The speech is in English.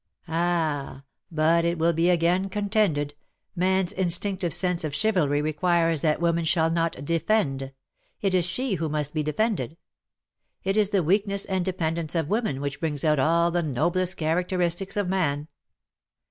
Ah !" but it will be again contended, '* man's instinctive sense of chivalry requires that woman shall not defend ; it is she who must be defended. It is the weakness and depend ence of woman which brings out all the noblest characteristics of man."